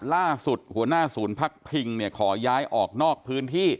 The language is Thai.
ล่าสุดหัวหน้าศูนย์พักพิงเนี่ยขอย้ายออกนอกพื้นที่